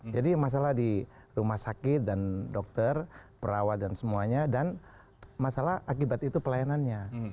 jadi masalah di rumah sakit dan dokter perawat dan semuanya dan masalah akibat itu pelayanannya